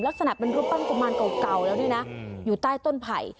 ลักษณะเป็นรูปปั้นกุมารเก่าแล้วนี่นะอยู่ใต้ต้นไผ่